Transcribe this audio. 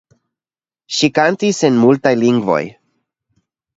Ŝi kantis en multaj lingvoj.